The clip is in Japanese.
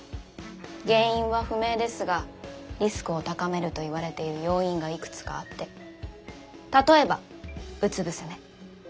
原因は不明ですがリスクを高めるといわれている要因がいくつかあって例えばうつ伏せ寝。